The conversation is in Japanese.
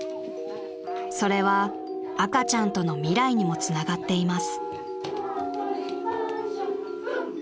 ［それは赤ちゃんとの未来にもつながっています］